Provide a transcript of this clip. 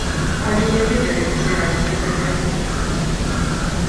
Але я ведаю, як збіраліся гэтыя подпісы.